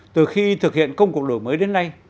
từ khi thực hiện công cuộc đổi mới đến nay